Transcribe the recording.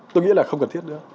tôi nghĩ là không cần thiết nữa